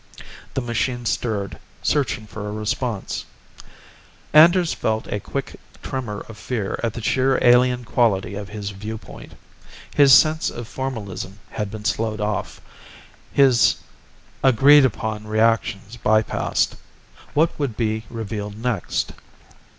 The machine stirred, searching for a response. Anders felt a quick tremor of fear at the sheer alien quality of his viewpoint. His sense of formalism had been sloughed off, his agreed upon reactions bypassed. What would be revealed next?